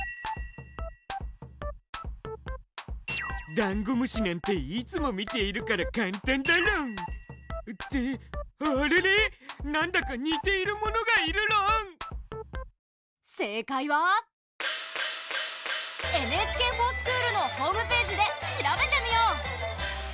ダンゴムシなんていつも見ているから簡単だろん！ってあれれなんだか似ているものがいるろん⁉正解は「ＮＨＫｆｏｒＳｃｈｏｏｌ」のホームページで調べてみよう！